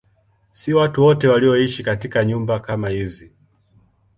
Si watu wote walioishi katika nyumba kama hizi.